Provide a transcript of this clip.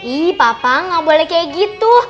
ih papa nggak boleh kayak gitu